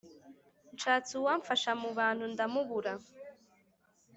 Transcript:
nshatse uwamfasha mu bantu, ndamubura!